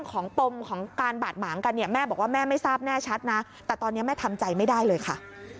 ปมของการบาดหมางกันเนี่ยแม่บอกว่าแม่ไม่ทราบแน่ชัดนะแต่ตอนนี้แม่ทำใจไม่ได้เลยค่ะ